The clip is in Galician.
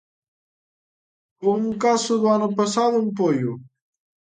Ou un caso do ano pasado, en Poio.